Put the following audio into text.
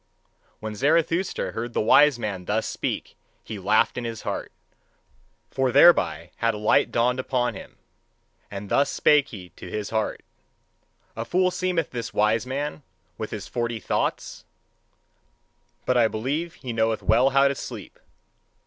When Zarathustra heard the wise man thus speak, he laughed in his heart: for thereby had a light dawned upon him. And thus spake he to his heart: A fool seemeth this wise man with his forty thoughts: but I believe he knoweth well how to sleep.